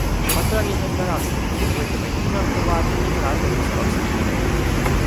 Баторій не збирався з московитами ні жартувати, ні грати в «московські ігри»